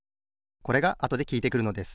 これがあとできいてくるのです。